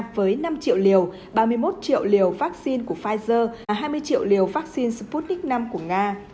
với năm triệu liều ba mươi một triệu liều vắc xin của pfizer và hai mươi triệu liều vắc xin sputnik v của nga